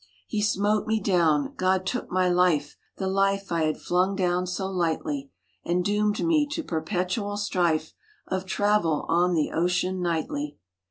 " He smote me down, God took my life, The life I had flung down so lightly, And doomed me to perpetual strife, Of travel on the ocean nightly.